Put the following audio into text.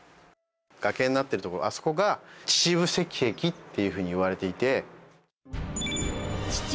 崖になってるところあそこが「秩父赤壁」っていうふうにいわれていて。